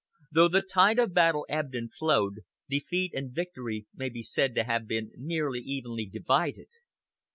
Though the tide of battle ebbed and flowed, defeat and victory may be said to have been nearly evenly divided.